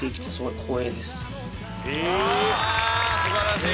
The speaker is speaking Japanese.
素晴らしい！